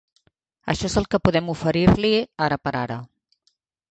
Això és el que podem oferir-li, ara per ara.